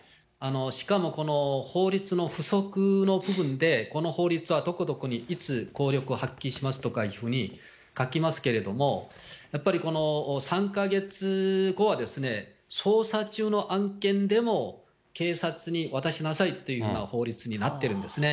しかもこの法律の附則の部分で、この法律はどこどこにいつ効力を発揮しますとかいうふうに書きますけれども、やっぱり３か月後は、捜査中の案件でも警察に渡しなさいというような法律になってるんですね。